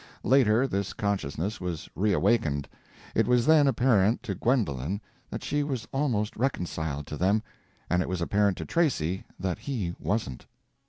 Later this consciousness was re awakened; it was then apparent to Gwendolen that she was almost reconciled to them, and it was apparent to Tracy that he wasn't.